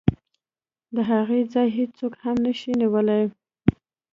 د هغې ځای هېڅوک هم نشي نیولی.